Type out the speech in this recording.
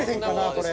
これ。